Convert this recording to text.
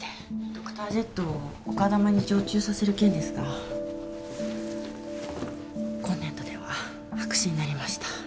ドクタージェットを丘珠に常駐させる件ですが今年度では白紙になりました。